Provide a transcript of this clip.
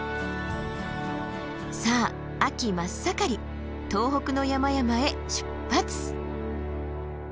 さあ秋真っ盛り東北の山々へ出発！